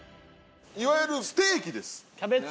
いわゆるステーキです。